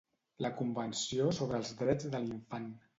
La Convenció sobre els drets de l'Infant.